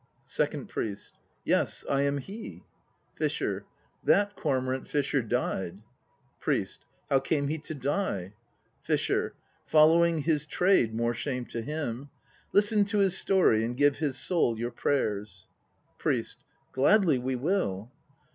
SECOND PRIEST. Yes, I am he. FISHER. That cormorant fisher died. PRIEST. How came he to die? FISHER. Following his trade, more shame to him. Listen to his story and give his soul your prayers. PRIEST. Gladly we will.